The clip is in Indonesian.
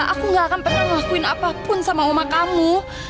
aku gak akan pernah ngelakuin apapun sama oma kamu